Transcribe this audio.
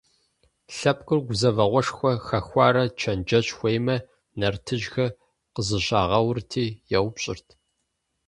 Лъэпкъыр гузэвэгъуэшхуэ хэхуарэ чэнджэщ хуеймэ, нартыжьхэр къызэщагъэурти еупщӀырт.